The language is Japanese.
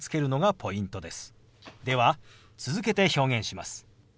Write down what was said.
では続けて表現します。